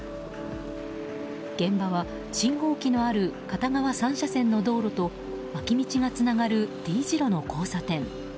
現場は信号機のある片側３車線の道路と脇道がつながるＴ字路の交差点。